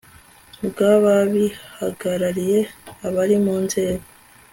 bw ababihagarariye abari mu nzego